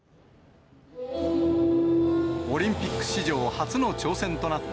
オリンピック史上初の挑戦となった